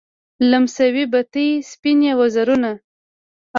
لمسوي بتې سپین وزرونه